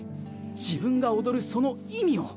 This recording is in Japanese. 自分が踊るその意味を。